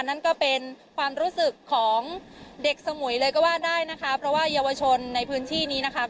นั่นก็เป็นความรู้สึกของเด็กสมุยเลยก็ว่าได้นะคะเพราะว่าเยาวชนในพื้นที่นี้นะคะ